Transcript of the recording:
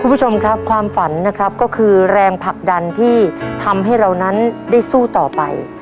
คุณผู้ชมครับความฝันนะครับก็คือแรงผลักดันที่ทำให้เรานั้นได้สู้ต่อไป